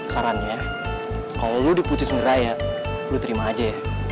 sarannya kalo lo diputus ngeraya lo terima aja ya